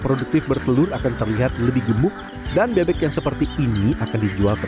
produktif bertelur akan terlihat lebih gemuk dan bebek yang seperti ini akan dijual ke